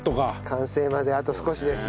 完成まであと少しですね。